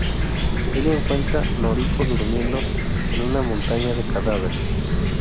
Ella encuentra Noriko durmiendo en una montaña de cadáveres.